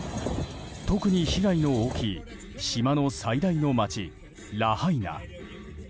特に被害の大きい島の最大の街、ラハイナ。